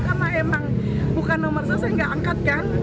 karena emang bukan nomor sesuai nggak angkat